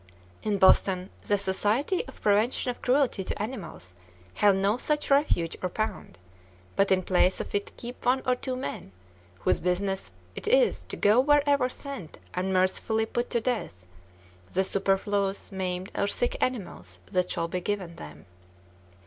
In Boston, the Society of Prevention of Cruelty to Animals have no such refuge or pound, but in place of it keep one or two men whose business it is to go wherever sent and "mercifully put to death" the superfluous, maimed, or sick animals that shall be given them.